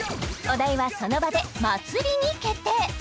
お題はその場で「まつり」に決定